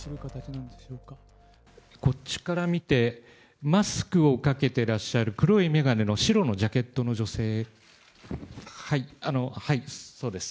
こっちから見て、マスクをかけてらっしゃる、黒い眼鏡の白のジャケットの女性、はい、そうです。